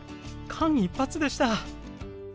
間一髪でした。